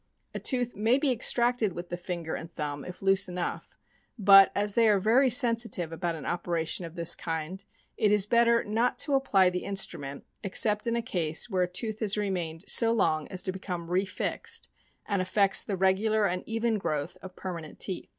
A tooth may be extracted with the finger and thumb if loose enough, but, as they are very sensitive about an operation of this kind, it is better not to apply the instrument, except in a case where a tooth bas remained so long as to become re fixed, and affects the regular and even growth of permanent teeth.